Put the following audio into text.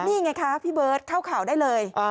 นี่ไงคะพี่เบิร์ตเข้าข่าวได้เลย